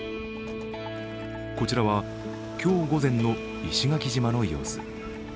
こちらは今日午前の石垣島の様子。